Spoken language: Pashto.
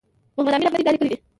محمد امین احمدي دا لیکلي دي.